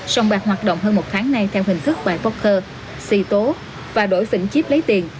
sông bạc hoạt động hơn một tháng nay theo hình thức bài poker xì tố và đổi phỉnh chip lấy tiền